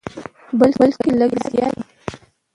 بلکې لږ زیات دي.